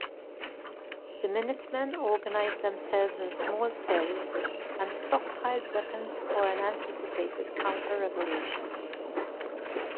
The Minutemen organized themselves into small cells and stockpiled weapons for an anticipated counter-revolution.